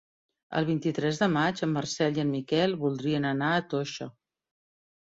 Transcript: El vint-i-tres de maig en Marcel i en Miquel voldrien anar a Toixa.